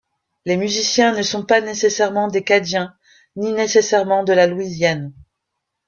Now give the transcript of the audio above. Les musiciens ne sont pas nécessairement des Cadiens, ni nécessairement de la Louisiane.